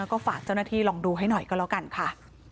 แล้วก็ฝากเจ้าหน้าที่ลองดูให้หน่อยก็แล้วกันค่ะ